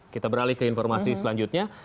kita beralih ke informasi selanjutnya